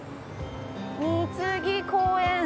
見次公園。